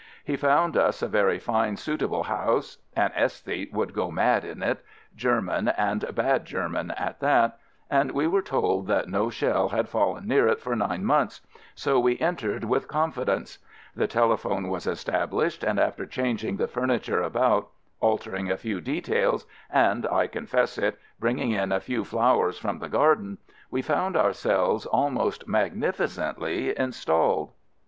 He found us a very fine, suitable house (an aesthete would go mad in it — German, and bad German at that), and we were told that no shell had fallen near it for nine months, so we entered with confi 88 AMERICAN AMBULANCE dence. The telephone was established, and after changing the furniture about, altering a few details, and (I confess it) bringing in a few flowers from the garden, we found ourselves almost magnificently installed.